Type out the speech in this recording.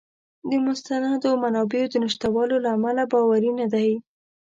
د مستندو منابعو د نشتوالي له امله باوری نه دی.